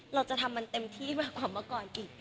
เราจะทำมันเต็มที่มากกว่าเมื่อก่อนอีก